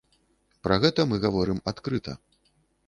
Пра гэта мы гаворым адкрыта.